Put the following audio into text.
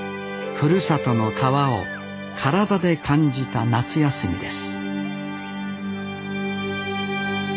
ふるさとの川を体で感じた夏休みです